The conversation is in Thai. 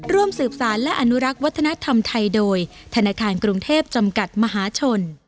ร่วมสืบสารและอนุรักษ์วัฒนธรรมไทยโดยธนาคารกรุงเทพจำกัดมหาชน